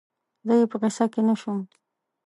زه یې په قصه کې نه شوم